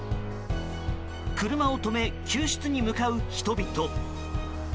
車を止め、救出に向かう人々。